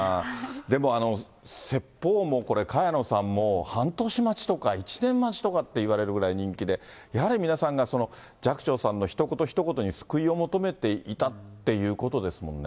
でも説法もこれ、萱野さん、もう半年待ちとか、１年待ちとかって言われるぐらい人気で、やれ皆さんがその、寂聴さんのひと言ひと言に救いを求めていたということですもんね。